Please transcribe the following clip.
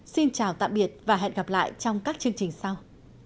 xin chào tạm biệt và hẹn gặp lại trong các chương trình sau